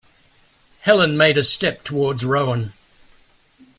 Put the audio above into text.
Helen made a step towards Rowan.